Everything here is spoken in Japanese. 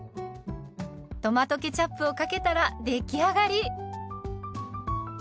トマトケチャップをかけたら出来上がり。